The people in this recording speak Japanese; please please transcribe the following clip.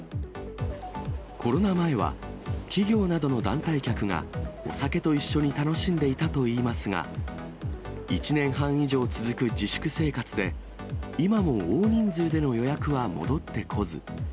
コロナ前は、企業などの団体客がお酒と一緒に楽しんでいたといいますが、１年半以上続く自粛生活で、今も大人数での予約は戻ってこず。